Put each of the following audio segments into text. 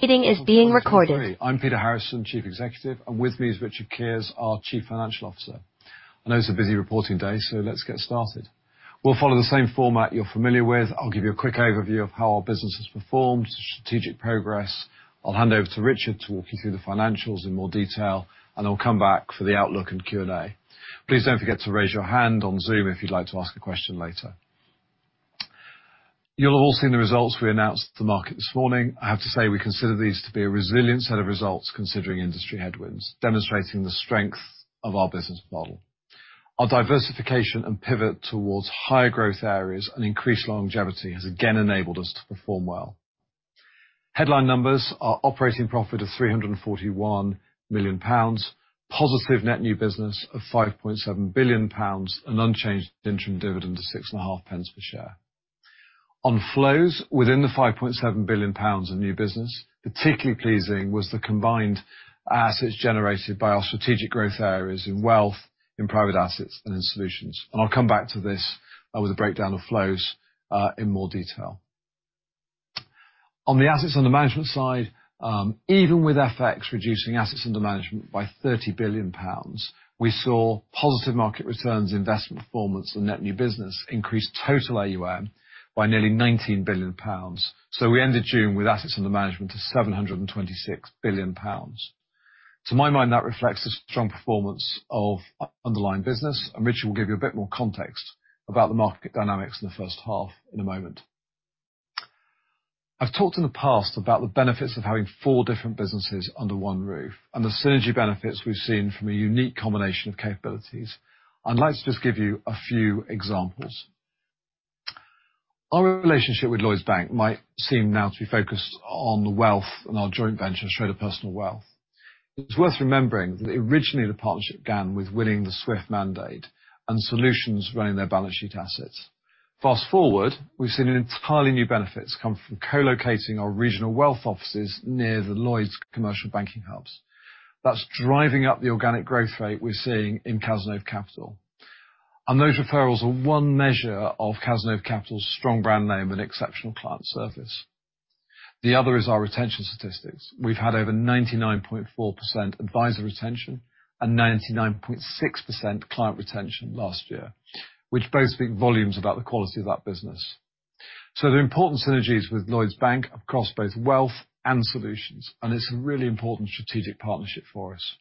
Meeting is being recorded. I'm Peter Harrison, Chief Executive, and with me is Richard Keers, our Chief Financial Officer. I know it's a busy reporting day, so let's get started. We'll follow the same format you're familiar with. I'll give you a quick overview of how our business has performed, strategic progress. I'll hand over to Richard to walk you through the financials in more detail, and I'll come back for the outlook and Q&A. Please don't forget to raise your hand on Zoom if you'd like to ask a question later. You'll have all seen the results we announced to the market this morning. I have to say, we consider these to be a resilient set of results, considering industry headwinds, demonstrating the strength of our business model. Our diversification and pivot towards higher growth areas and increased longevity has again enabled us to perform well. Headline numbers are operating profit of 341 million pounds, positive net new business of 5.7 billion pounds, an unchanged interim dividend of six and a half pence per share. On flows within the 5.7 billion pounds of new business, particularly pleasing was the combined assets generated by our strategic growth areas in wealth, in private assets and in solutions. I'll come back to this with a breakdown of flows in more detail. On the assets under management side, even with FX reducing assets under management by 30 billion pounds, we saw positive market returns, investment performance and net new business increase total AUM by nearly 19 billion pounds. We ended June with assets under management of 726 billion pounds. To my mind, that reflects the strong performance of our underlying business. Richard will give you a bit more context about the market dynamics in the H1 in a moment. I've talked in the past about the benefits of having four different businesses under one roof. The synergy benefits we've seen from a unique combination of capabilities. I'd like to just give you a few examples. Our relationship with Lloyds Bank might seem now to be focused on wealth and our joint venture, Schroders Personal Wealth. It's worth remembering that originally the partnership began with winning the SWIFT mandate and solutions running their balance sheet assets. Fast forward, we've seen entirely new benefits come from co-locating our regional wealth offices near the Lloyds commercial banking hubs. That's driving up the organic growth rate we're seeing in Cazenove Capital. Those referrals are one measure of Cazenove Capital's strong brand name and exceptional client service. The other is our retention statistics. We've had over 99.4% advisor retention and 99.6% client retention last year, which both speak volumes about the quality of that business. There are important synergies with Lloyds Bank across both wealth and solutions, and it's a really important strategic partnership for us.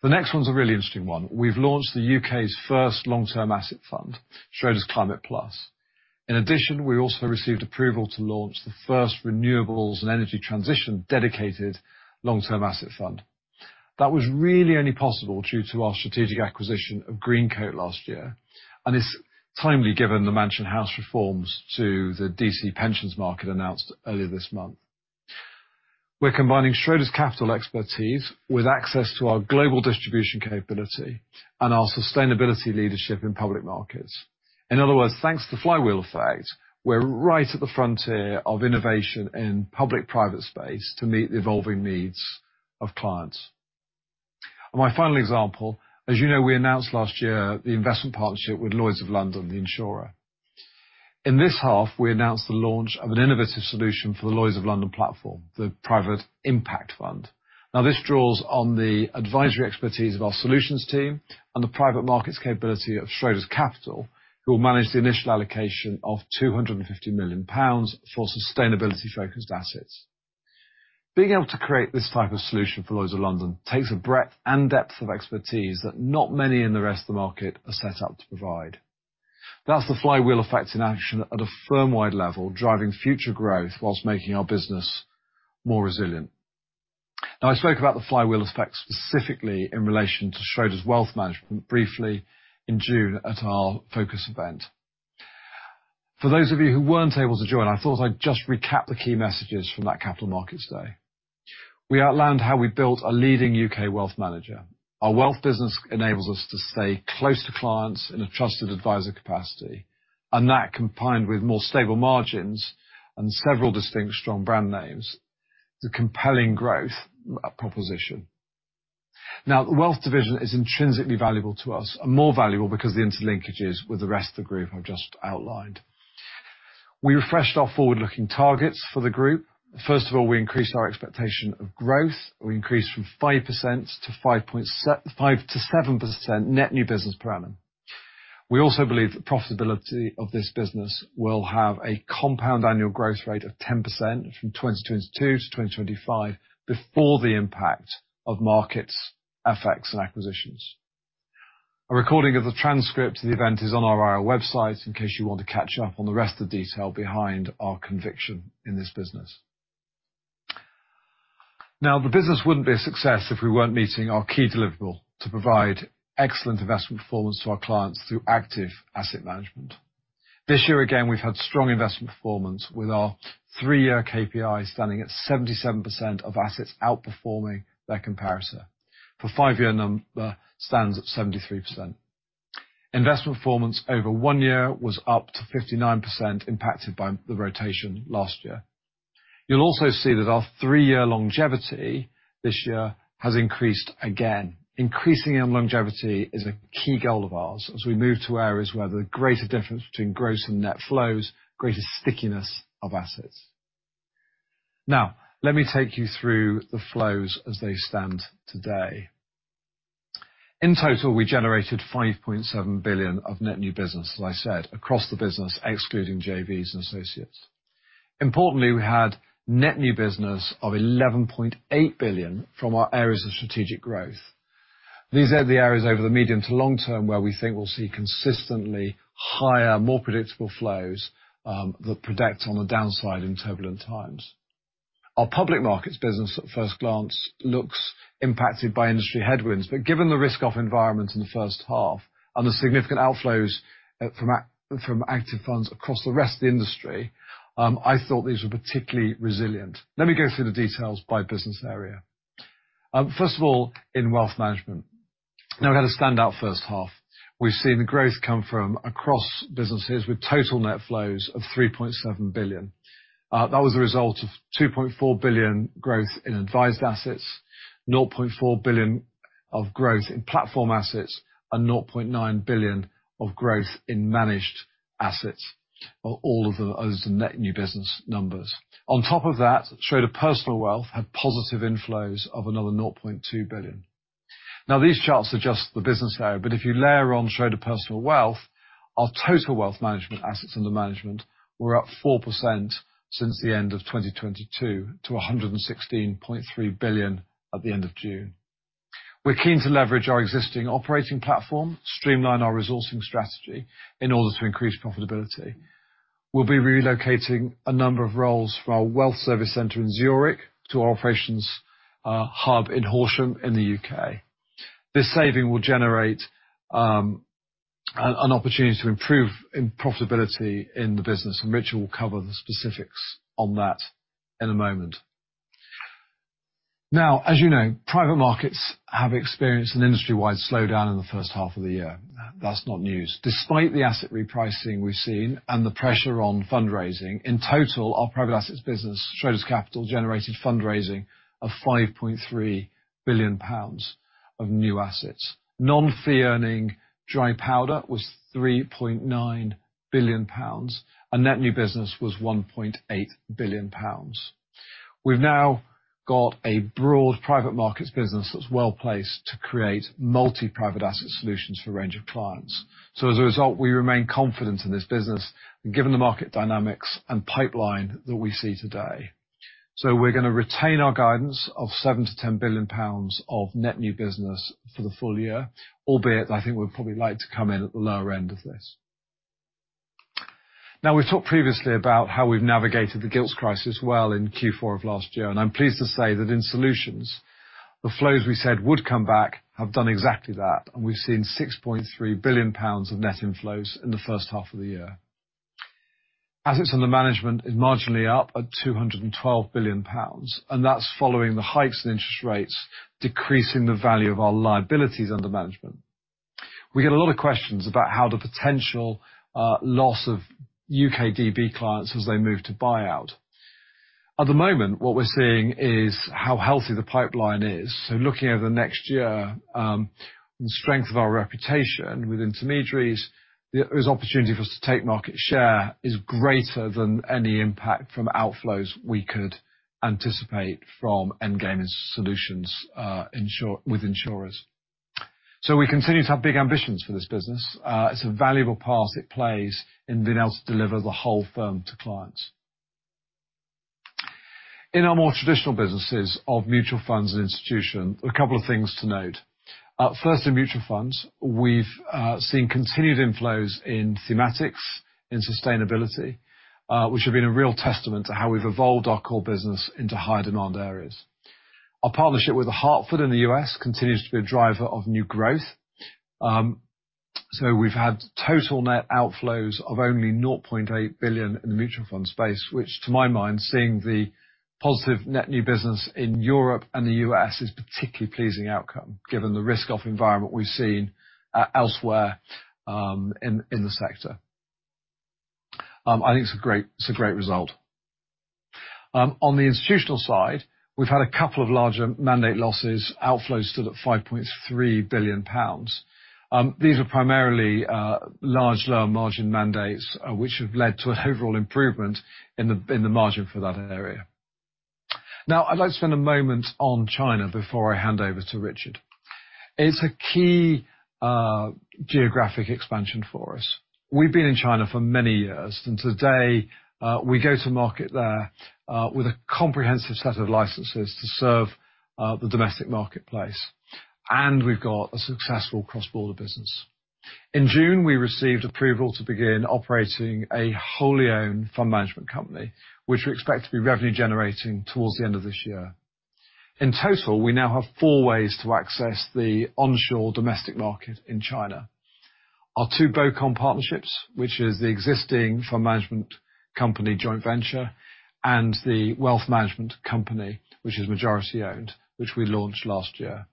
The next one's a really interesting one. We've launched the U.K.'s first Long-Term Asset Fund, Schroders Climate Plus. In addition, we also received approval to launch the first renewables and energy transition dedicated Long-Term Asset Fund. That was really only possible due to our strategic acquisition of Greencoat last year, and it's timely, given the Mansion House reforms to the DC pensions market, announced earlier this month. We're combining Schroders Capital expertise with access to our global distribution capability and our sustainability leadership in public markets. In other words, thanks to flywheel effect, we're right at the frontier of innovation in public-private space to meet the evolving needs of clients. My final example, as you know, we announced last year the investment partnership with Lloyd's of London, the insurer. In this half, we announced the launch of an innovative solution for the Lloyd's of London platform, the Private Impact Fund. Now, this draws on the advisory expertise of our solutions team and the private markets capability of Schroders Capital, who will manage the initial allocation of 250 million pounds for sustainability-focused assets. Being able to create this type of solution for Lloyd's of London takes a breadth and depth of expertise that not many in the rest of the market are set up to provide. That's the flywheel effect in action at a firm-wide level, driving future growth whilst making our business more resilient. I spoke about the flywheel effect specifically in relation to Schroders Wealth Management briefly in June at our focus event. For those of you who weren't able to join, I thought I'd just recap the key messages from that capital markets day. We outlined how we built a leading U.K. wealth manager. Our wealth business enables us to stay close to clients in a trusted advisor capacity, that, combined with more stable margins and several distinct strong brand names, is a compelling growth proposition. The wealth division is intrinsically valuable to us and more valuable because the interlinkages with the rest of the group I've just outlined. We refreshed our forward-looking targets for the group. First of all, we increased our expectation of growth. We increased from 5% to 7% net new business per annum. We also believe the profitability of this business will have a compound annual growth rate of 10% from 2022 to 2025, before the impact of markets, FX and acquisitions. A recording of the transcript of the event is on our IR website, in case you want to catch up on the rest of the detail behind our conviction in this business. The business wouldn't be a success if we weren't meeting our key deliverable to provide excellent investment performance to our clients through active asset management. This year, again, we've had strong investment performance, with our 3-year KPI standing at 77% of assets outperforming their comparator. The 5-year number stands at 73%. Investment performance over 1 year was up to 59%, impacted by the rotation last year. You'll also see that our 3-year longevity this year has increased again. Increasing our longevity is a key goal of ours as we move to areas where the greater difference between gross and net flows, greater stickiness of assets. Let me take you through the flows as they stand today. In total, we generated 5.7 billion of net new business, as I said, across the business, excluding JVs and associates. Importantly, we had net new business of 11.8 billion from our areas of strategic growth. These are the areas over the medium to long term, where we think we'll see consistently higher, more predictable flows, that protect on the downside in turbulent times. Our public markets business, at first glance, looks impacted by industry headwinds, but given the risk-off environment in the H1 and the significant outflows from active funds across the rest of the industry, I thought these were particularly resilient. Let me go through the details by business area. First of all, in wealth management, now we had a standout H1. We've seen the growth come from across businesses with total net flows of 3.7 billion. That was a result of 2.4 billion growth in advised assets, 0.4 billion of growth in platform assets, and 0.9 billion of growth in managed assets, all of them as the net new business numbers. On top of that, Schroders Personal Wealth had positive inflows of another 0.2 billion. These charts are just the business area, but if you layer on Schroders Personal Wealth, our total wealth management assets under management were up 4% since the end of 2022 to 116.3 billion at the end of June. We're keen to leverage our existing operating platform, streamline our resourcing strategy, in order to increase profitability. We'll be relocating a number of roles from our wealth service center in Zurich to our operations hub in Horsham, in the U.K. This saving will generate an opportunity to improve in profitability in the business, and Richard will cover the specifics on that in a moment. As you know, private markets have experienced an industry-wide slowdown in the H1 of the year. That's not news. Despite the asset repricing we've seen and the pressure on fundraising, in total, our private assets business, Schroders Capital, generated fundraising of 5.3 billion pounds of new assets. Non-fee-earning dry powder was 3.9 billion pounds, and net new business was 1.8 billion pounds. We've now got a broad private markets business that's well placed to create multi-private asset solutions for a range of clients. As a result, we remain confident in this business, given the market dynamics and pipeline that we see today. We're gonna retain our guidance of 7 billion-10 billion pounds of net new business for the full year, albeit I think we'd probably like to come in at the lower end of this. We've talked previously about how we've navigated the gilts crisis well in Q4 of last year, and I'm pleased to say that in solutions, the flows we said would come back have done exactly that, and we've seen 6.3 billion pounds of net inflows in the H1 of the year. Assets under management is marginally up at 212 billion pounds, and that's following the hikes in interest rates, decreasing the value of our liabilities under management. We get a lot of questions about how the potential loss of U.K. DB clients as they move to buyout. At the moment, what we're seeing is how healthy the pipeline is. Looking over the next year, the strength of our reputation with intermediaries, there's opportunity for us to take market share, is greater than any impact from outflows we could anticipate from end-game solutions with insurers. We continue to have big ambitions for this business. It's a valuable part it plays in being able to deliver the whole firm to clients. In our more traditional businesses of mutual funds and institution, a couple of things to note. First, in mutual funds, we've seen continued inflows in thematics, in sustainability, which have been a real testament to how we've evolved our core business into high demand areas. Our partnership with Hartford in the U.S. continues to be a driver of new growth. We've had total net outflows of only 0.8 billion in the mutual fund space, which, to my mind, seeing the positive net new business in Europe and the U.S., is a particularly pleasing outcome, given the risk-off environment we've seen elsewhere in the sector. I think it's a great result. On the institutional side, we've had a couple of larger mandate losses. Outflows stood at 5.3 billion pounds. These are primarily large, lower margin mandates, which have led to an overall improvement in the margin for that area. I'd like to spend a moment on China before I hand over to Richard. It's a key geographic expansion for us. We've been in China for many years, Today, we go to market there, with a comprehensive set of licenses to serve the domestic marketplace, and we've got a successful cross-border business. In June, we received approval to begin operating a wholly owned fund management company, which we expect to be revenue generating towards the end of this year. In total, we now have four ways to access the onshore domestic market in China. Our two BOCOM partnerships, which is the existing fund management company joint venture, and the wealth management company, which is majority-owned, which we launched last year.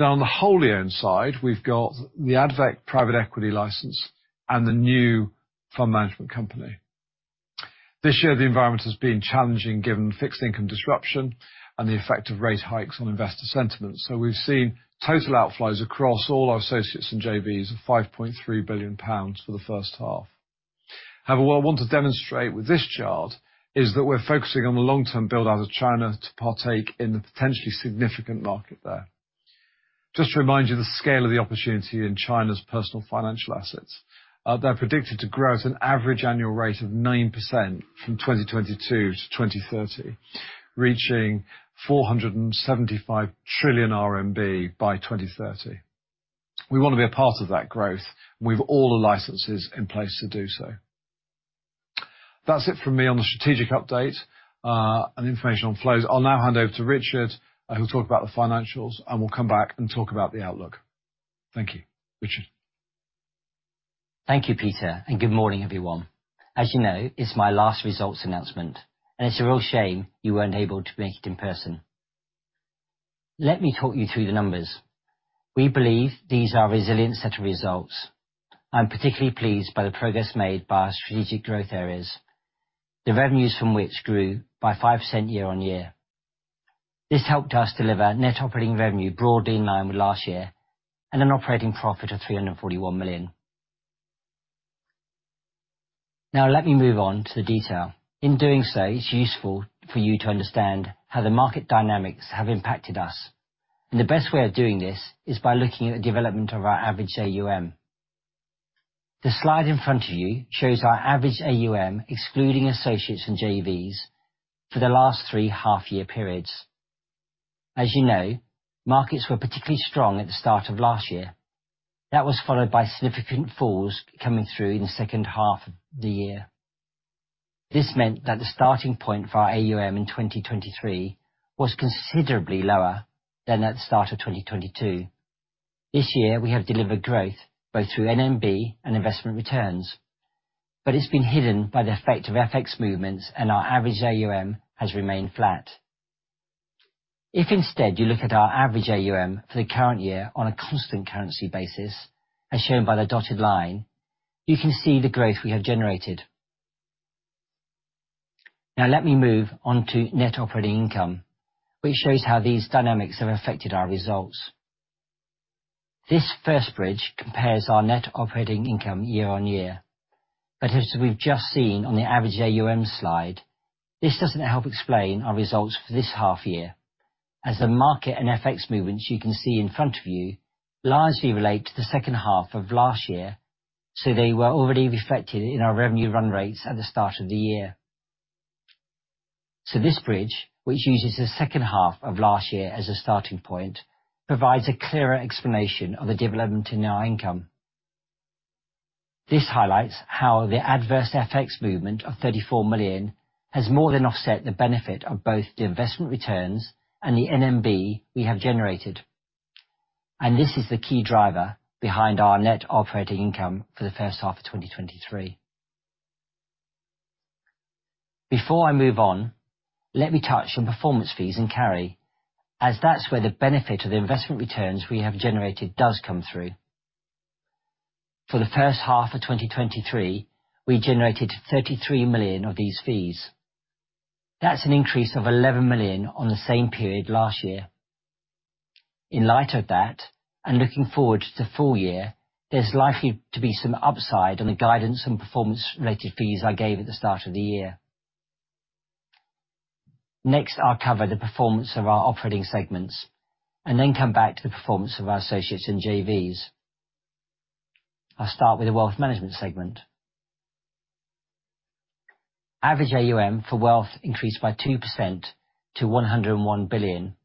On the wholly owned side, we've got the Adveq Private Equity license and the new fund management company. This year, the environment has been challenging, given fixed income disruption and the effect of rate hikes on investor sentiment. We've seen total outflows across all our associates and JVs of 5.3 billion pounds for the H1. However, what I want to demonstrate with this chart is that we're focusing on the long-term build-out of China to partake in the potentially significant market there. Just to remind you, the scale of the opportunity in China's personal financial assets, they're predicted to grow at an average annual rate of 9% from 2022 to 2030, reaching 475 trillion RMB by 2030. We wanna be a part of that growth, we have all the licenses in place to do so. That's it from me on the strategic update, the information on flows. I'll now hand over to Richard, who'll talk about the financials, we'll come back and talk about the outlook. Thank you. Richard? Thank you, Peter. Good morning, everyone. As you know, it's my last results announcement, and it's a real shame you weren't able to make it in person. Let me talk you through the numbers. We believe these are a resilient set of results. I'm particularly pleased by the progress made by our strategic growth areas, the revenues from which grew by 5% year-over-year. This helped us deliver net operating revenue broadly in line with last year, and an operating profit of 341 million. Now, let me move on to the detail. In doing so, it's useful for you to understand how the market dynamics have impacted us, and the best way of doing this is by looking at the development of our average AUM. The slide in front of you shows our average AUM, excluding associates and JVs, for the last three half-year periods. As you know, markets were particularly strong at the start of last year. That was followed by significant falls coming through in the H2 of the year. This meant that the starting point for our AUM in 2023 was considerably lower than at the start of 2022. This year, we have delivered growth both through NMB and investment returns, but it's been hidden by the effect of FX movements. Our average AUM has remained flat. If, instead, you look at our average AUM for the current year on a constant currency basis, as shown by the dotted line, you can see the growth we have generated. Let me move on to net operating income, which shows how these dynamics have affected our results. This first bridge compares our net operating income year-on-year. As we've just seen on the average AUM slide, this doesn't help explain our results for this half year, as the market and FX movements you can see in front of you largely relate to the H2 of last year, so they were already reflected in our revenue run rates at the start of the year. This bridge, which uses the H2 of last year as a starting point, provides a clearer explanation of the development in our income. This highlights how the adverse FX movement of 34 million has more than offset the benefit of both the investment returns and the NMB we have generated. This is the key driver behind our net operating income for the H1 of 2023. Before I move on, let me touch on performance fees and carry, as that's where the benefit of the investment returns we have generated does come through. For the H1 of 2023, we generated 33 million of these fees. That's an increase of 11 million on the same period last year. In light of that, looking forward to the full year, there's likely to be some upside on the guidance and performance-related fees I gave at the start of the year. Next, I'll cover the performance of our operating segments and then come back to the performance of our associates and JVs. I'll start with the wealth management segment. Average AUM for wealth increased by 2% to 101 billion.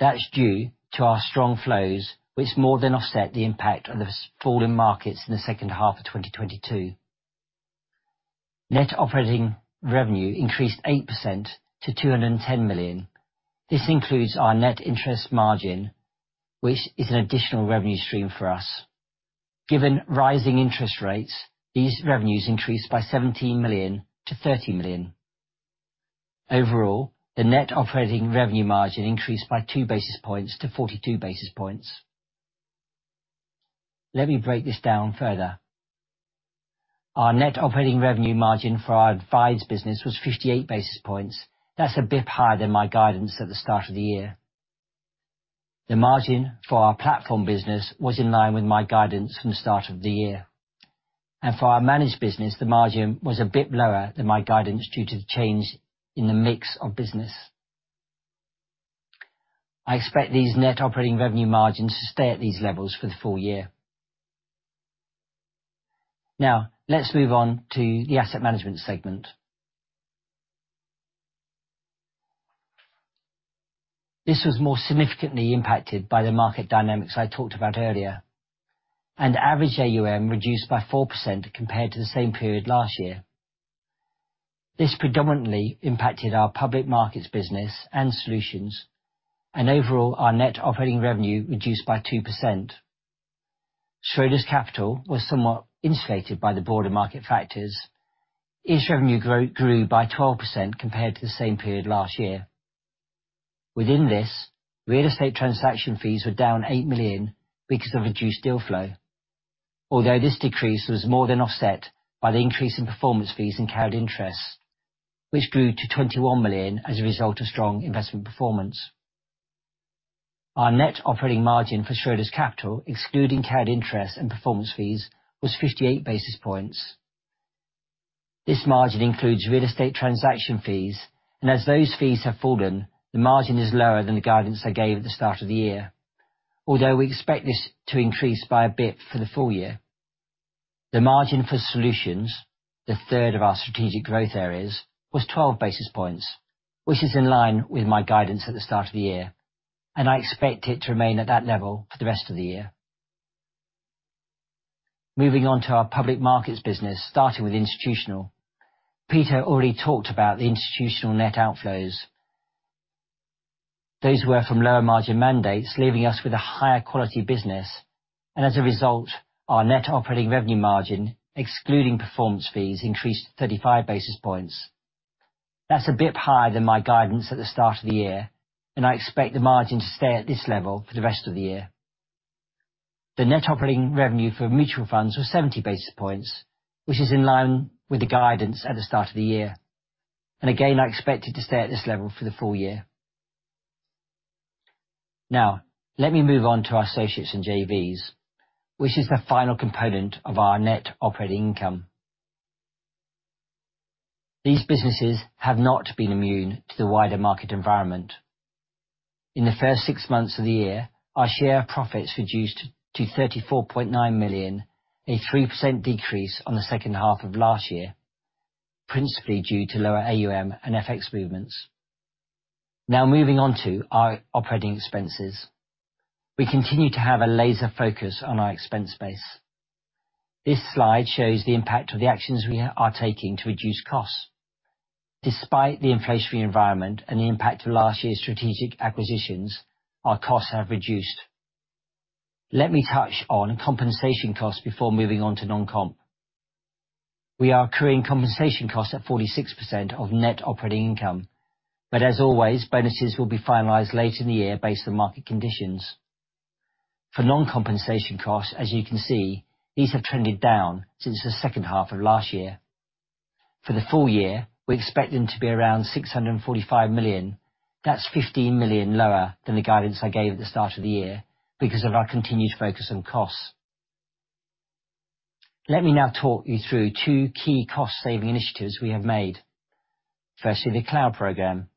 That's due to our strong flows, which more than offset the impact of the falling markets in the H2 of 2022. Net operating revenue increased 8% to 210 million. This includes our net interest margin, which is an additional revenue stream for us. Given rising interest rates, these revenues increased by 17 million-30 million. Overall, the net operating revenue margin increased by 2 basis points-42 basis points. Let me break this down further. Our net operating revenue margin for our advise business was 58 basis points. That's a bit higher than my guidance at the start of the year. The margin for our platform business was in line with my guidance from the start of the year. For our managed business, the margin was a bit lower than my guidance due to the change in the mix of business. I expect these net operating revenue margins to stay at these levels for the full year. Let's move on to the asset management segment. This was more significantly impacted by the market dynamics I talked about earlier. Average AUM reduced by 4% compared to the same period last year. This predominantly impacted our public markets business and solutions. Overall, our net operating revenue reduced by 2%. Schroders Capital was somewhat insulated by the broader market factors. Its revenue grew by 12% compared to the same period last year. Within this, real estate transaction fees were down 8 million because of reduced deal flow. This decrease was more than offset by the increase in performance fees and carried interests, which grew to 21 million as a result of strong investment performance. Our net operating margin for Schroders Capital, excluding carried interest and performance fees, was 58 basis points. This margin includes real estate transaction fees. As those fees have fallen, the margin is lower than the guidance I gave at the start of the year, although we expect this to increase by a bit for the full year. The margin for solutions, the third of our strategic growth areas, was 12 basis points, which is in line with my guidance at the start of the year. I expect it to remain at that level for the rest of the year. Moving on to our public markets business, starting with institutional. Peter already talked about the institutional net outflows. Those were from lower margin mandates, leaving us with a higher quality business. As a result, our net operating revenue margin, excluding performance fees, increased 35 basis points. That's a bit higher than my guidance at the start of the year, and I expect the margin to stay at this level for the rest of the year. The net operating revenue for mutual funds was 70 basis points, which is in line with the guidance at the start of the year. Again, I expect it to stay at this level for the full year. Let me move on to our associates and JVs, which is the final component of our net operating income. These businesses have not been immune to the wider market environment. In the first six months of the year, our share of profits reduced to 34.9 million, a 3% decrease on the H2 of last year, principally due to lower AUM and FX movements. Moving on to our operating expenses. We continue to have a laser focus on our expense base. This slide shows the impact of the actions we are taking to reduce costs. Despite the inflationary environment and the impact of last year's strategic acquisitions, our costs have reduced. Let me touch on compensation costs before moving on to non-comp. We are accruing compensation costs at 46% of net operating income. As always, bonuses will be finalized later in the year based on market conditions. For non-compensation costs, as you can see, these have trended down since the H2 of last year. For the full year, we expect them to be around 645 million. That's 15 million lower than the guidance I gave at the start of the year, because of our continued focus on costs. Let me now talk you through two key cost-saving initiatives we have made. Firstly, the cloud program.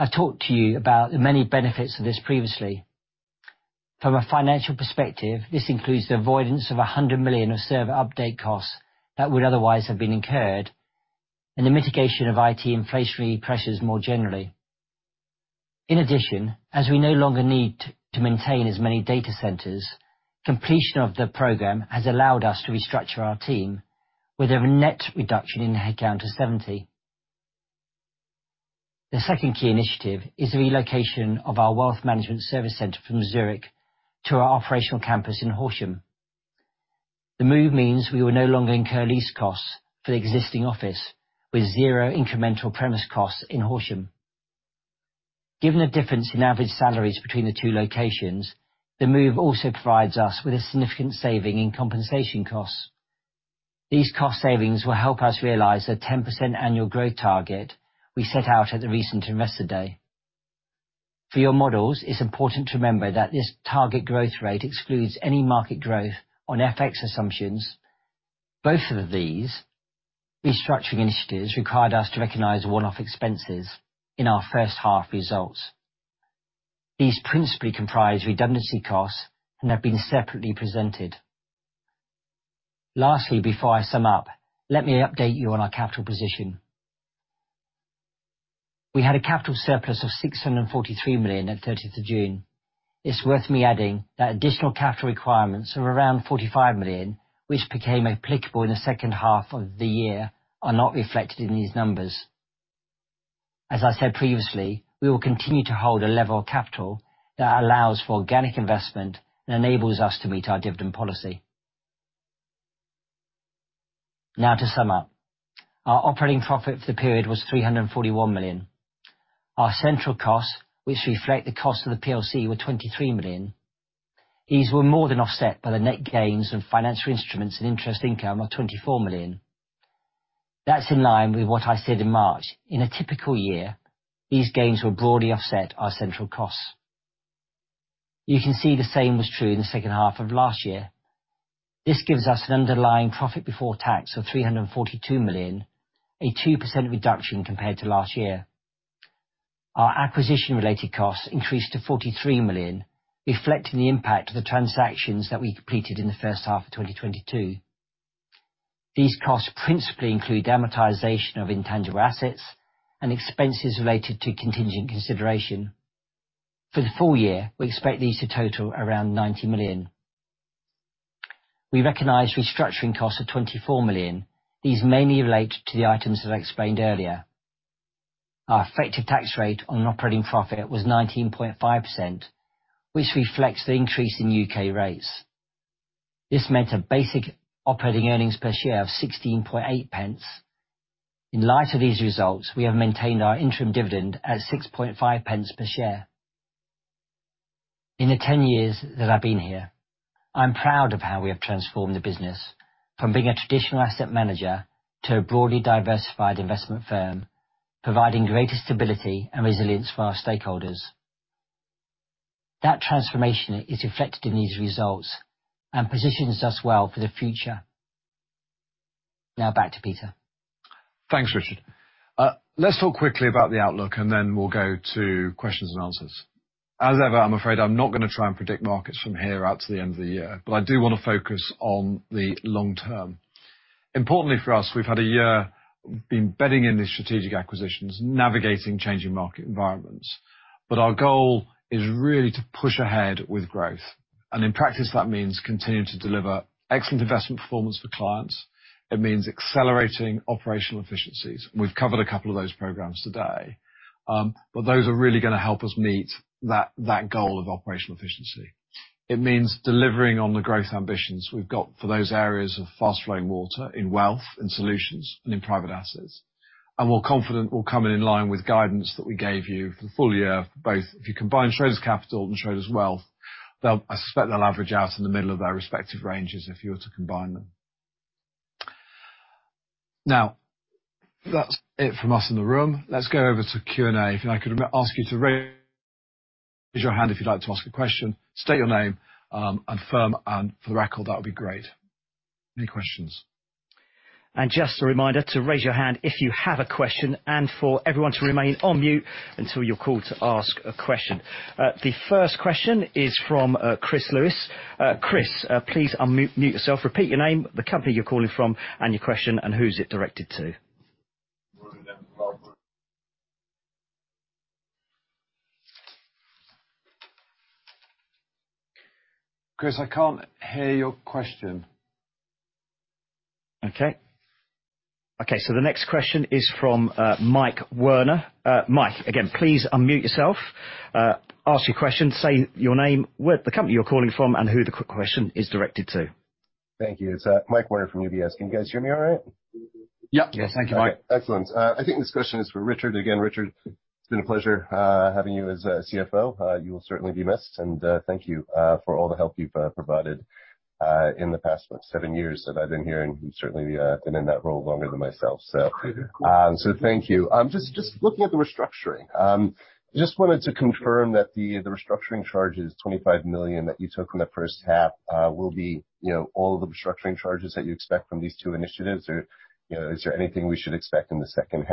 I've talked to you about the many benefits of this previously. From a financial perspective, this includes the avoidance of 100 million of server update costs that would otherwise have been incurred, and the mitigation of IT inflationary pressures more generally. In addition, as we no longer need to maintain as many data centers, completion of the program has allowed us to restructure our team with a net reduction in headcount to 70. The second key initiative is the relocation of our wealth management service center from Zurich to our operational campus in Horsham. The move means we will no longer incur lease costs for the existing office, with 0 incremental premise costs in Horsham. Given the difference in average salaries between the two locations, the move also provides us with a significant saving in compensation costs. These cost savings will help us realize the 10% annual growth target we set out at the recent investor day. For your models, it's important to remember that this target growth rate excludes any market growth on FX assumptions. Both of these restructuring initiatives required us to recognize one-off expenses in our H1 results. These principally comprise redundancy costs and have been separately presented. Lastly, before I sum up, let me update you on our capital position. We had a capital surplus of 643 million at 30th of June. It's worth me adding that additional capital requirements of around 45 million, which became applicable in the H2 of the year, are not reflected in these numbers. As I said previously, we will continue to hold a level of capital that allows for organic investment and enables us to meet our dividend policy. To sum up. Our operating profit for the period was 341 million. Our central costs, which reflect the cost of the PLC, were 23 million. These were more than offset by the net gains on financial instruments and interest income of 24 million. That's in line with what I said in March. In a typical year, these gains will broadly offset our central costs. You can see the same was true in the H2 of last year. This gives us an underlying profit before tax of 342 million, a 2% reduction compared to last year. Our acquisition-related costs increased to 43 million, reflecting the impact of the transactions that we completed in the H1 of 2022. These costs principally include amortization of intangible assets and expenses related to contingent consideration. For the full year, we expect these to total around 90 million. We recognized restructuring costs of 24 million. These mainly relate to the items that I explained earlier. Our effective tax rate on operating profit was 19.5%, which reflects the increase in U.K. rates. This meant a basic operating earnings per share of 0.168. In light of these results, we have maintained our interim dividend at 0.065 per share. In the 10 years that I've been here, I'm proud of how we have transformed the business from being a traditional asset manager to a broadly diversified investment firm, providing greater stability and resilience for our stakeholders. That transformation is reflected in these results and positions us well for the future. Back to Peter. Thanks, Richard. let's talk quickly about the outlook, and then we'll go to questions and answers. As ever, I'm afraid I'm not gonna try and predict markets from here out to the end of the year, but I do wanna focus on the long term. Importantly for us, we've had a year embedding in these strategic acquisitions, navigating changing market environments. Our goal is really to push ahead with growth, and in practice, that means continuing to deliver excellent investment performance for clients. It means accelerating operational efficiencies. We've covered a couple of those programs today, but those are really gonna help us meet that goal of operational efficiency. It means delivering on the growth ambitions we've got for those areas of fast-flowing water in wealth, in solutions, and in private assets. We're confident we're coming in line with guidance that we gave you for the full year, for both. If you combine Schroders Capital and Schroders Wealth, I suspect they'll average out in the middle of their respective ranges if you were to combine them. That's it from us in the room. Let's go over to Q&A. If I could ask you to raise your hand if you'd like to ask a question, state your name and firm, and for the record, that would be great. Any questions? Just a reminder to raise your hand if you have a question, and for everyone to remain on mute until you're called to ask a question. The first question is from Chris Lewis. Chris, please mute yourself. Repeat your name, the company you're calling from, and your question, and who's it directed to. Chris, I can't hear your question. Okay. Okay, the next question is from, Mike Werner. Mike, again, please unmute yourself. Ask your question, say your name, the company you're calling from and who the question is directed to? Thank you. It's Mike Werner from UBS. Can you guys hear me all right? Yeah. Yes. Thank you, Mike. Excellent. I think this question is for Richard. Again, Richard, it's been a pleasure having you as CFO. You will certainly be missed, and thank you for all the help you've provided in the past, what, seven years that I've been here, and you've certainly been in that role longer than myself, so... Thank you. Thank you. I'm just looking at the restructuring. Just wanted to confirm that the restructuring charges, 25 million, that you took in the H1, will be, you know, all of the restructuring charges that you expect from these two initiatives, or, you know, is there anything we should expect in the H2?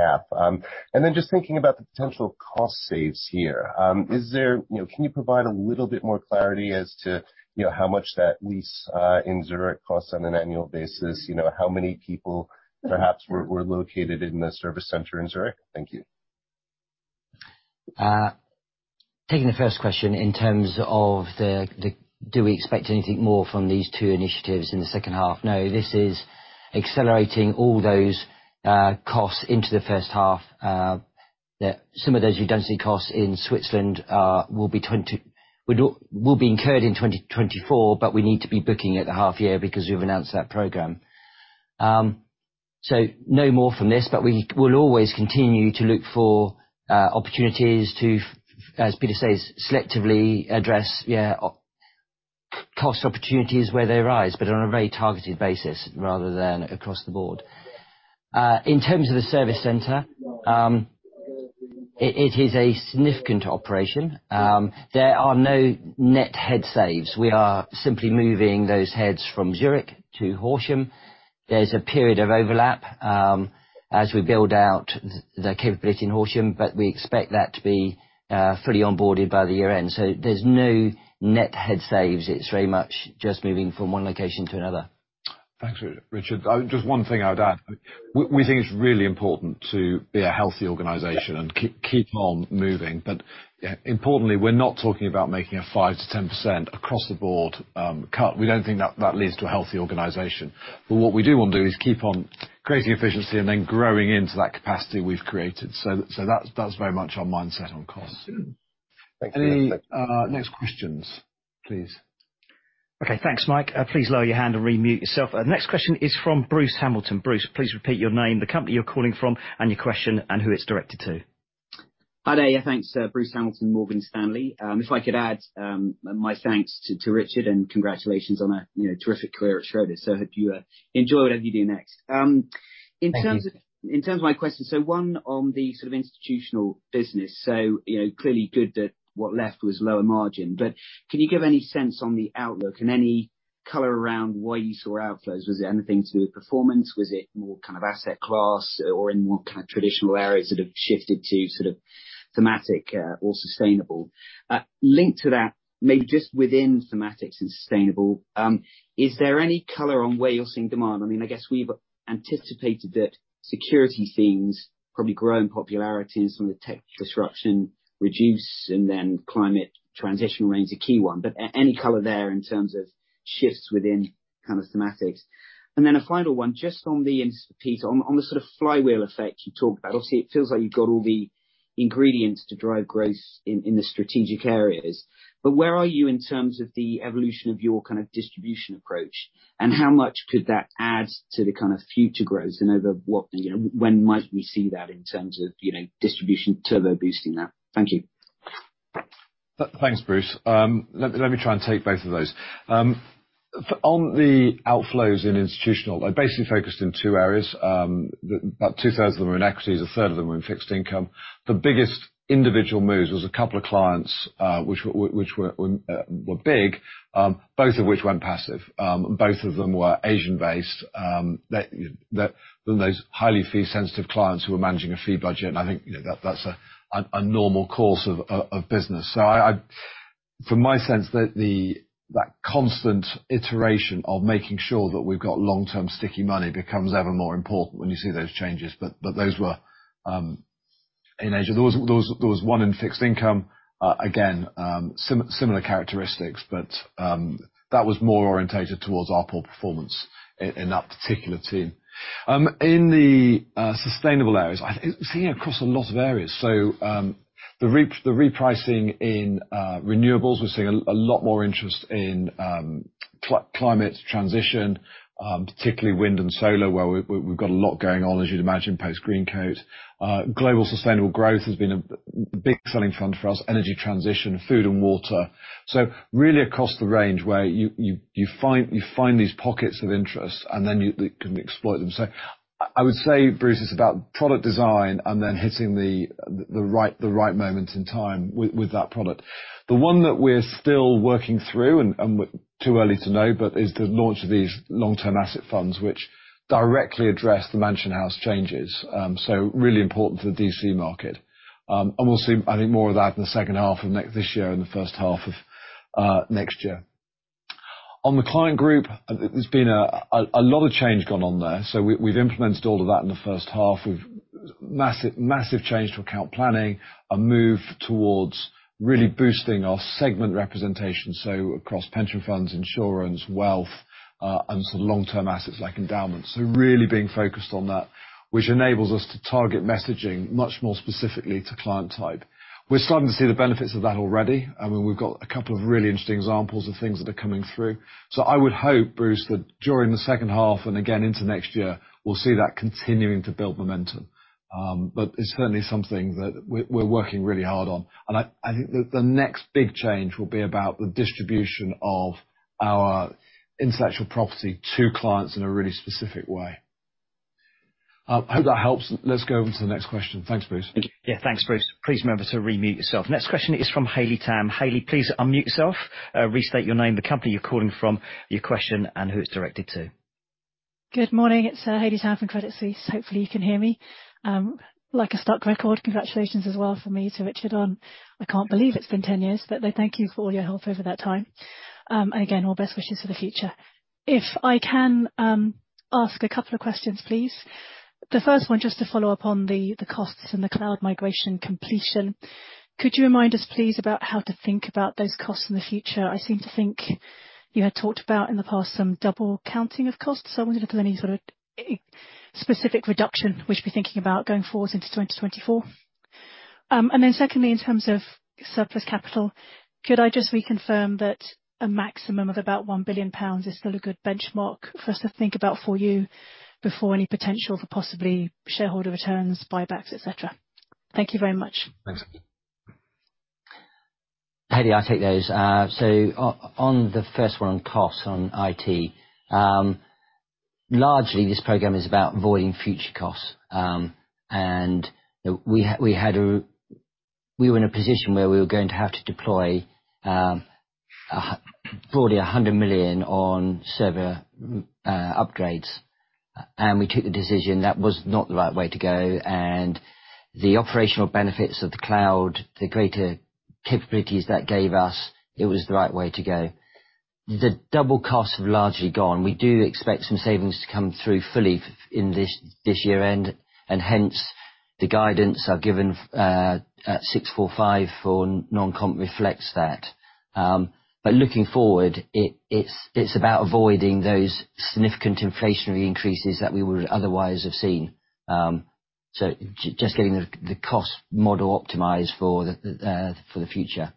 Just thinking about the potential cost saves here, is there? You know, can you provide a little bit more clarity as to, you know, how much that lease in Zurich costs on an annual basis? You know, how many people perhaps were located in the service center in Zurich? Thank you. Taking the first question, in terms of the, do we expect anything more from these two initiatives in the H2? This is accelerating all those costs into the H1. Some of those redundancy costs in Switzerland will be incurred in 2024, but we need to be booking at the half year because we've announced that program. No more from this, but we will always continue to look for opportunities to, as Peter says, selectively address cost opportunities where they arise, but on a very targeted basis rather than across the board. In terms of the service center, it is a significant operation. There are no net head saves. We are simply moving those heads from Zurich to Horsham. There's a period of overlap, as we build out the capability in Horsham, but we expect that to be fully onboarded by the year end. There's no net head saves. It's very much just moving from one location to another. Thanks, Richard. Just one thing I would add. We think it's really important to be a healthy organization and keep on moving. Yeah, importantly, we're not talking about making a 5%-10% across the board cut. We don't think that leads to a healthy organization. What we do want to do is keep on creating efficiency and then growing into that capacity we've created. That's, that's very much our mindset on costs. Thank you. Any next questions, please? Okay. Thanks, Mike. Please lower your hand and remute yourself. Next question is from Bruce Hamilton. Bruce, please repeat your name, the company you're calling from, and your question, and who it's directed to. Hi there. Thanks, Bruce Hamilton, Morgan Stanley. If I could add, my thanks to Richard, and congratulations on a, you know, terrific career at Schroders. I hope you, enjoy whatever you do next. Thank you. In terms of my question, one on the sort of institutional business. You know, clearly good that what left was lower margin, but can you give any sense on the outlook and any color around why you saw outflows? Was it anything to do with performance? Was it more kind of asset class or in more kind of traditional areas that have shifted to sort of thematic, or sustainable? Linked to that, maybe just within thematics and sustainable, is there any color on where you're seeing demand? I mean, I guess we've anticipated that security themes probably grow in popularities from the tech disruption reduce, and then climate transition remains a key one. Any color there in terms of shifts within kind of thematics? A final one, just on the, and to Peter, on the sort of flywheel effect you talked about. Obviously, it feels like you've got all the ingredients to drive growth in the strategic areas. Where are you in terms of the evolution of your kind of distribution approach? How much could that add to the kind of future growth and over what, you know, when might we see that in terms of, you know, distribution turbo boosting that? Thank you. Thanks, Bruce. Let me try and take both of those. On the outflows in institutional, I basically focused in two areas. About 2/3 of them are in equities, 1/3 of them were in fixed income. The biggest individual moves was a couple of clients, which were big, both of which went passive. Both of them were Asian-based. Those highly fee-sensitive clients who were managing a fee budget, and I think, you know, that's a normal course of business. From my sense that the constant iteration of making sure that we've got long-term sticky money becomes ever more important when you see those changes, but those were in Asia. There was one in fixed income, again, similar characteristics, but that was more orientated towards our poor performance in that particular team. In the sustainable areas, I think, seeing it across a lot of areas. The repricing in renewables, we're seeing a lot more interest in climate transition, particularly wind and solar, where we've got a lot going on, as you'd imagine, post-Greencoat. Global Sustainable Growth has been the big selling point for us, Energy Transition, Food and Water. Really across the range, where you find these pockets of interest, and then you can exploit them. I would say, Bruce, it's about product design and then hitting the right moment in time with that product. The one that we're still working through and too early to know, but is the launch of these Long-Term Asset Funds, which directly address the Mansion House reforms. Really important for the DC market. We'll see, I think, more of that in the H2 of this year and the H1 of next year. On the client group, there's been a lot of change going on there, so we've implemented all of that in the H1. Massive change to account planning, a move towards really boosting our segment representation, so across pension funds, insurance, wealth, and sort of long-term assets, like endowments. Really being focused on that, which enables us to target messaging much more specifically to client type. We're starting to see the benefits of that already, and we've got a couple of really interesting examples of things that are coming through. I would hope, Bruce, that during the H2 and again into next year, we'll see that continuing to build momentum. But it's certainly something that we're working really hard on. I think that the next big change will be about the distribution of our intellectual property to clients in a really specific way. I hope that helps. Let's go on to the next question. Thanks, Bruce. Yeah, thanks, Bruce. Please remember to remute yourself. Next question is from Haley Tam. Haley, please unmute yourself, restate your name, the company you're calling from, your question, and who it's directed to. Good morning. It's Haley Tam from Credit Suisse. Hopefully, you can hear me. Like a stuck record, congratulations as well from me to Richard on. I can't believe it's been 10 years, but thank you for all your help over that time. Again, all best wishes for the future. If I can ask a couple of questions, please. The first one, just to follow up on the costs and the cloud migration completion, could you remind us, please, about how to think about those costs in the future? I seem to think you had talked about, in the past, some double counting of costs. I wonder if there any sort of specific reduction we should be thinking about going forward into 2024. Secondly, in terms of surplus capital, could I just reconfirm that a maximum of about 1 billion pounds is still a good benchmark for us to think about for you before any potential for possibly shareholder returns, buybacks, et cetera? Thank you very much. Thanks. Haley, I'll take those. On the first one, on costs, on IT, largely, this program is about avoiding future costs. We were in a position where we were going to have to deploy, probably 100 million on server upgrades, and we took the decision. That was not the right way to go, and the operational benefits of the cloud, the greater capabilities that gave us, it was the right way to go. The double costs have largely gone. We do expect some savings to come through fully in this year-end, and hence, the guidance I've given, at 645 for non-comp reflects that. Looking forward, it's about avoiding those significant inflationary increases that we would otherwise have seen. Just getting the cost model optimized for the future.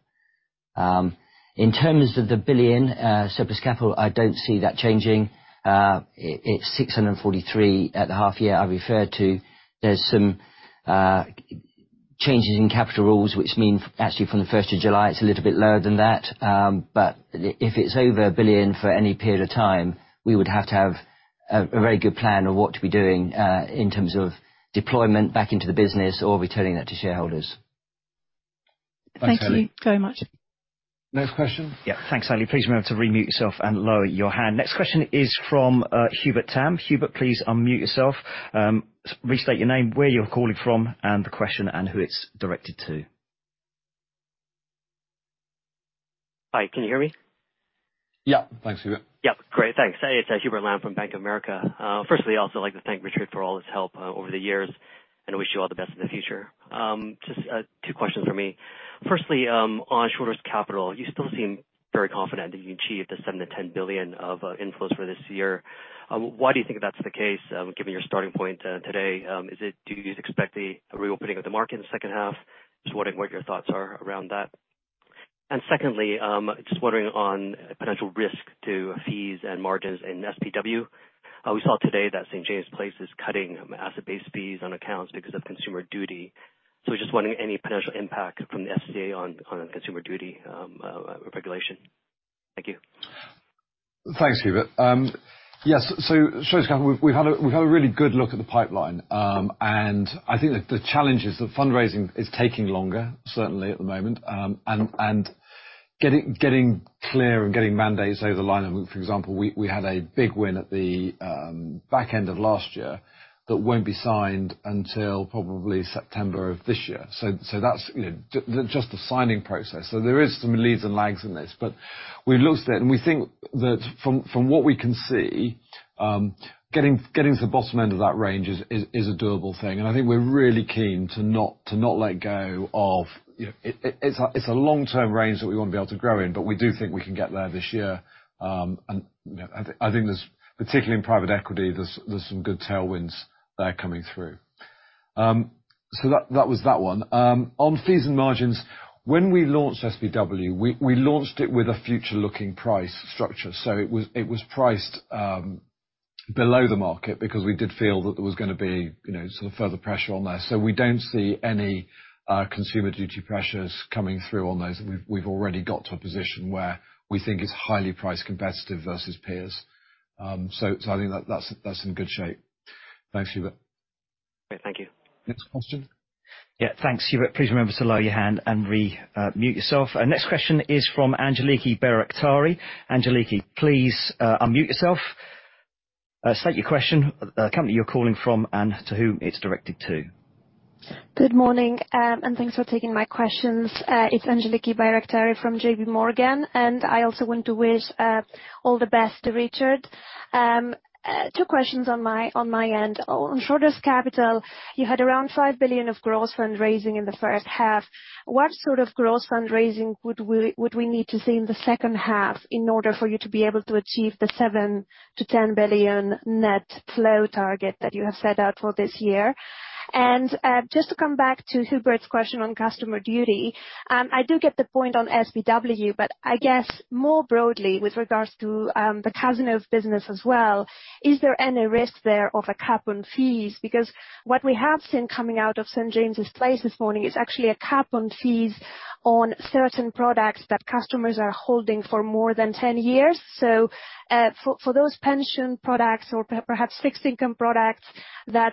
In terms of the 1 billion surplus capital, I don't see that changing. It's 643 million at the half year I referred to. There's some changes in capital rules, which mean actually from the 1st of July, it's a little bit lower than that. If it's over 1 billion for any period of time, we would have to have a very good plan on what to be doing in terms of deployment back into the business or returning that to shareholders. Thank you very much. Next question? Yeah. Thanks, Hayley. Please remember to remute yourself and lower your hand. Next question is from Hubert Lam. Hubert, please unmute yourself. Restate your name, where you're calling from, and the question and who it's directed to. Hi, can you hear me? Yeah. Thanks, Hubert. Yeah. Great, thanks. It's Hubert Lam from Bank of America. Firstly, I'd also like to thank Richard for all his help over the years, and wish you all the best in the future. Just two questions from me. Firstly, on Schroders Capital, you still seem very confident that you can achieve the 7 billion-10 billion of inflows for this year. Why do you think that's the case, given your starting point today? Do you expect the reopening of the market in the H2? Just wondering what your thoughts are around that. Secondly, just wondering on potential risk to fees and margins in SPW. We saw today that St. James's Place is cutting asset-based fees on accounts because of Consumer Duty. We're just wondering, any potential impact from the FCA on Consumer Duty, regulation? Thank you. Thanks, Hubert. Yes, Schroders Capital, we've had a really good look at the pipeline. I think that the challenge is that fundraising is taking longer, certainly at the moment, getting clear and getting mandates over the line. For example, we had a big win at the back end of last year that won't be signed until probably September of this year. That's, you know, just the signing process. There is some leads and lags in this, but we've looked at it, and we think that from what we can see, getting to the bottom end of that range is a doable thing. I think we're really keen to not let go of... You know, it's a long-term range that we want to be able to grow in, but we do think we can get there this year. You know, I think there's, particularly in private equity, there's some good tailwinds there coming through. That was that one. On fees and margins, when we launched SPW, we launched it with a future-looking price structure, so it was priced below the market because we did feel that there was gonna be, you know, sort of further pressure on there. We don't see any Consumer Duty pressures coming through on those. We've already got to a position where we think it's highly price competitive versus peers. I think that that's in good shape. Thanks, Hubert. Great. Thank you. Next question? Yeah. Thanks, Hubert. Please remember to lower your hand and remute yourself. Our next question is from Angeliki Bairaktari. Angeliki, please unmute yourself. State your question, the company you're calling from, and to whom it's directed to. Good morning, and thanks for taking my questions. It's Angeliki Bairaktari from JPMorgan, and I also want to wish all the best to Richard. Two questions on my end. On Schroders Capital, you had around 5 billion of gross fundraising in the H1. What sort of gross fundraising would we need to see in the H2 in order for you to be able to achieve the 7 billion-10 billion net flow target that you have set out for this year? Just to come back to Hubert's question on Consumer Duty, I do get the point on SPW, but I guess more broadly, with regards to the Cazenove business as well, is there any risk there of a cap on fees? What we have seen coming out of St. James's Place this morning is actually a cap on fees on certain products that customers are holding for more than 10 years. For those pension products or perhaps fixed income products that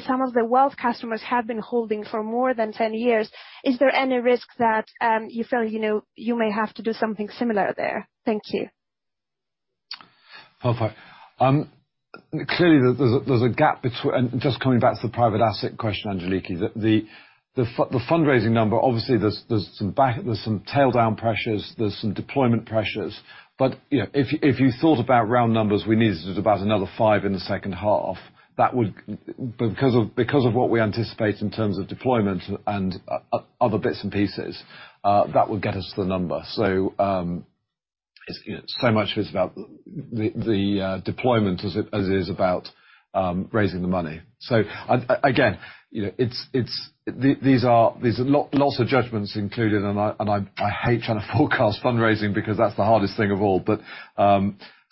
some of the wealth customers have been holding for more than 10 years, is there any risk that you feel, you know, you may have to do something similar there? Thank you. Perfect. Clearly, there's a gap between. Just coming back to the private asset question, Angeliki, the fundraising number, obviously, there's some back, there's some taildown pressures, there's some deployment pressures, but, you know, if you, if you thought about round numbers, we needed about another 5 in the H2. That would. Because of, because of what we anticipate in terms of deployment and other bits and pieces, that would get us to the number. It's, you know, so much is about the deployment as it is about raising the money. Again, you know, it's these are. There's lots of judgments included, and I, and I hate trying to forecast fundraising because that's the hardest thing of all.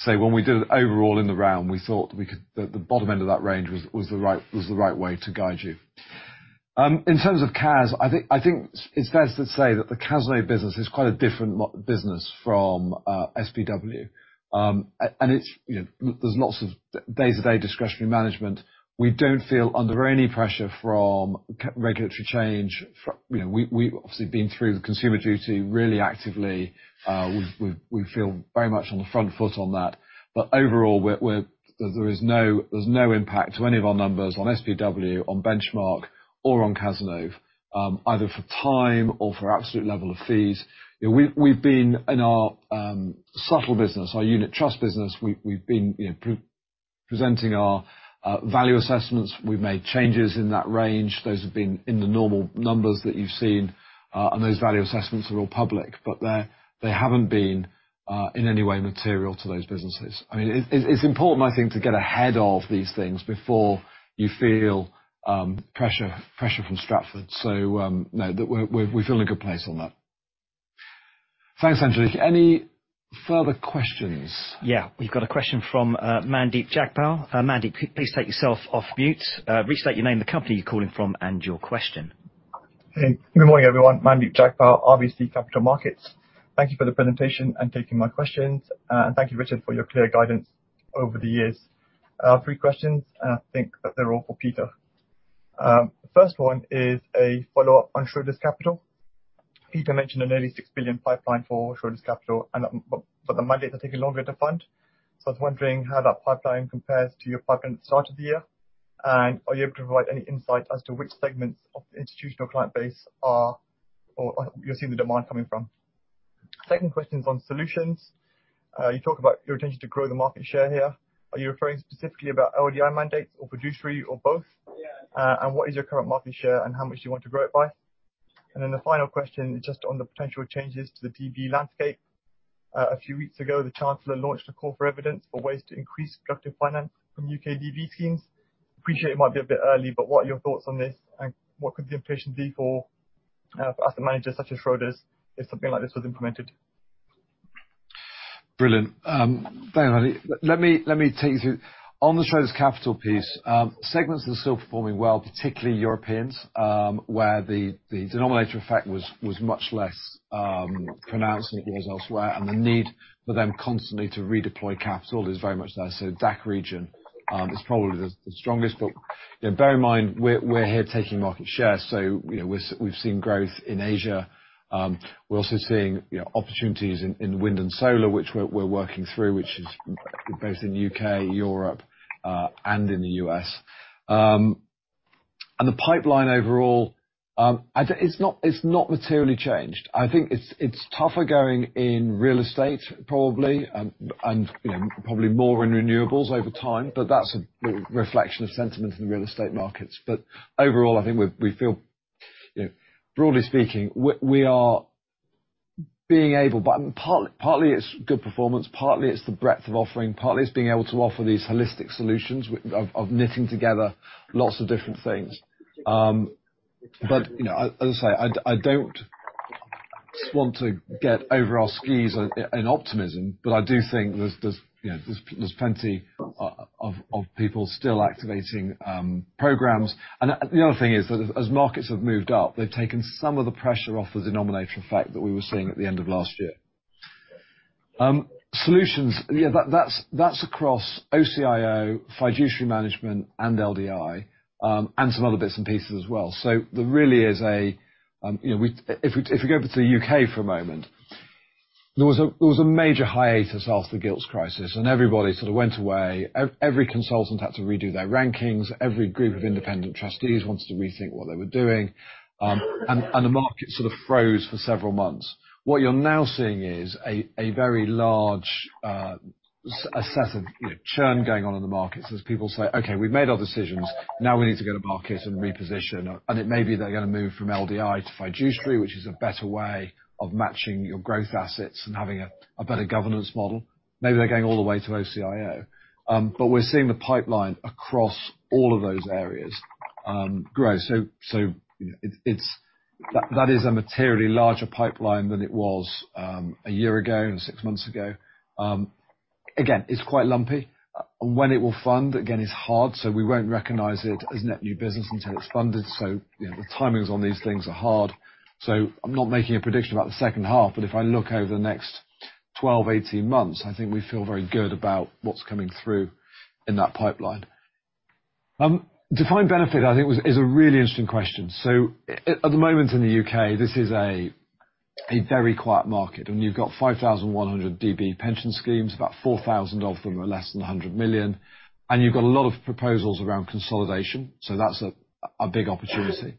Say, when we did it overall in the round, we thought that the bottom end of that range was the right way to guide you. In terms of Caz, I think it's fair to say that the Cazenove business is quite a different business from SPW. And it's, you know, there's lots of day-to-day discretionary management. We don't feel under any pressure from regulatory change. You know, we've obviously been through the Consumer Duty really actively. We feel very much on the front foot on that. Overall, there is no, there's no impact to any of our numbers on SPW, on Benchmark or on Cazenove, either for time or for absolute level of fees. You know, we've been, in our subtle business, our unit trust business, we've been, you know, presenting our value assessments. We've made changes in that range. Those have been in the normal numbers that you've seen, those value assessments are all public, but they haven't been in any way material to those businesses. I mean, it's important, I think, to get ahead of these things before you feel pressure from Stratford. No, we're feeling in a good place on that. Thanks, Angeliki. Any further questions? Yeah. We've got a question from Mandeep Jagpal. Mandeep, please take yourself off mute. Restate your name, the company you're calling from, and your question. Hey, good morning, everyone. Mandeep Jagpal, RBC Capital Markets. Thank you for the presentation and taking my questions, and thank you, Richard, for your clear guidance over the years. Three questions, and I think that they're all for Peter. First one is a follow-up on Schroders Capital. Peter mentioned an nearly 6 billion pipeline for Schroders Capital, and, but that might take longer to fund. I was wondering how that pipeline compares to your pipeline at the start of the year, and are you able to provide any insight as to which segments of the institutional client base or you're seeing the demand coming from? Second question is on solutions. You talk about your intention to grow the market share here. Are you referring specifically about LDI mandates or fiduciary or both? What is your current market share and how much do you want to grow it by? The final question, just on the potential changes to the DB landscape. A few weeks ago, the Chancellor launched a call for evidence for ways to increase productive finance from UK DB schemes. Appreciate it might be a bit early, but what are your thoughts on this, and what could the implication be for asset managers such as Schroders if something like this was implemented? Brilliant. Thank you, Buddy. Let me, let me take you through. On the Schroders Capital piece, segments are still performing well, particularly Europeans, where the denominator effect was much less pronounced than it was elsewhere, and the need for them constantly to redeploy capital is very much there. DACH region is probably the strongest. You know, bear in mind, we're here taking market share, so, you know, we've seen growth in Asia. We're also seeing, you know, opportunities in wind and solar, which we're working through, which is both in U.K., Europe, and in the U.S. The pipeline overall, I it's not materially changed. I think it's tougher going in real estate, probably, and, you know, probably more in renewables over time, but that's a reflection of sentiment in the real estate markets. Overall, I think we feel, you know, broadly speaking, we are being able. Partly it's good performance, partly it's the breadth of offering, partly it's being able to offer these holistic solutions of knitting together lots of different things. You know, as I say, I don't want to get over our skis in optimism, but I do think there's, you know, there's plenty of people still activating programs. The other thing is that as markets have moved up, they've taken some of the pressure off the denominator effect that we were seeing at the end of last year. solutions, yeah, that's across OCIO, fiduciary management, and LDI, and some other bits and pieces as well. There really is a, you know, if we, if we go back to the U.K. for a moment, there was a, there was a major hiatus after the gilts crisis, and everybody sort of went away. Every consultant had to redo their rankings. Every group of independent trustees wanted to rethink what they were doing. And the market sort of froze for several months. What you're now seeing is a very large, assess of, you know, churn going on in the markets as people say, "Okay, we've made our decisions. Now we need to go to market and reposition." It may be they're gonna move from LDI to fiduciary, which is a better way of matching your growth assets and having a better governance model. Maybe they're going all the way to OCIO. We're seeing the pipeline across all of those areas grow. You know, That is a materially larger pipeline than it was 1 year ago and 6 months ago. Again, it's quite lumpy, and when it will fund, again, is hard, so we won't recognize it as net new business until it's funded. You know, the timings on these things are hard. I'm not making a prediction about the H2, but if I look over the next 12, 18 months, I think we feel very good about what's coming through in that pipeline. Defined benefit, I think, is a really interesting question. At the moment in the UK, this is a very quiet market, and you've got 5,100 DB pension schemes, about 4,000 of them are less than 100 million, and you've got a lot of proposals around consolidation, so that's a big opportunity.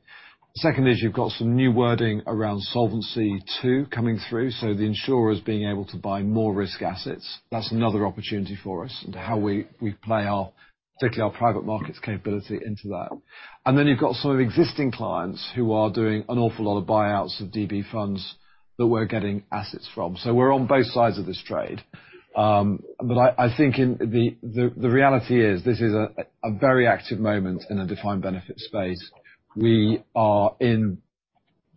Second is you've got some new wording around Solvency II coming through, so the insurers being able to buy more risk assets. That's another opportunity for us and how we play our, particularly our private markets capability into that. Then you've got some existing clients who are doing an awful lot of buyouts of DB funds that we're getting assets from. We're on both sides of this trade. But I think in. The reality is, this is a very active moment in a defined benefit space. We are in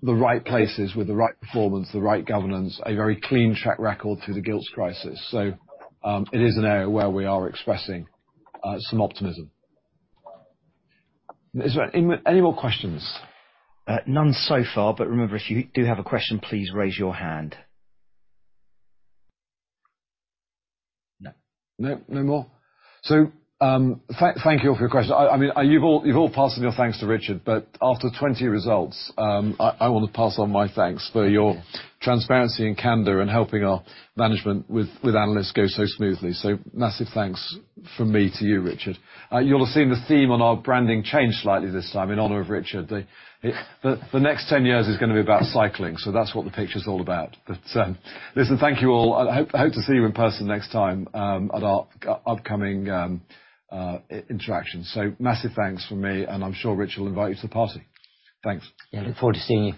the right places with the right performance, the right governance, a very clean track record through the gilts crisis. It is an area where we are expressing some optimism. Is there any more questions? None so far. Remember, if you do have a question, please raise your hand. No. No, no more? Thank you all for your questions. I mean, you've all passed on your thanks to Richard, but after 20 results, I want to pass on my thanks for your transparency and candor in helping our management with analysts go so smoothly. Massive thanks from me to you, Richard. You'll have seen the theme on our branding change slightly this time in honor of Richard. The next 10 years is gonna be about cycling, so that's what the picture's all about. Listen, thank you all. I hope to see you in person next time at our upcoming interaction. Massive thanks from me, and I'm sure Richard will invite you to the party. Thanks. Yeah, look forward to seeing you.